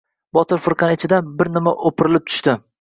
Botir firqani ichidan... bir nima o‘pirilib tushdi.